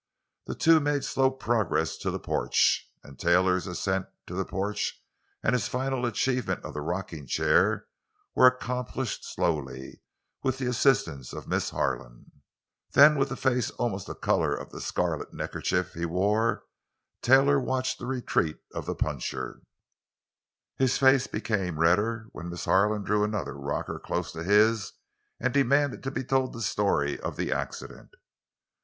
The two made slow progress to the porch; and Taylor's ascent to the porch and his final achievement of the rocking chair were accomplished slowly, with the assistance of Miss Harlan. Then, with a face almost the color of the scarlet neckerchief he wore, Taylor watched the retreat of the puncher. His face became redder when Miss Harlan drew another rocker close to his and demanded to be told the story of the accident.